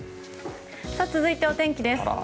続いてお天気です。